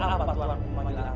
ada apa tuanku majulah